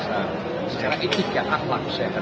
aset perdayaan yang dimutirkan sudah dijemput